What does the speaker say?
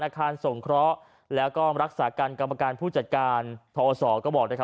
การสงเคราะห์แล้วก็รักษาการกรรมการผู้จัดการทอศก็บอก